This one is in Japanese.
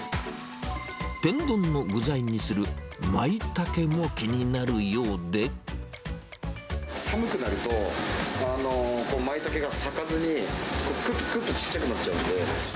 天丼の具材にするマイタケも寒くなると、マイタケが咲かずに、くっくっと小っちゃくなっちゃうんで。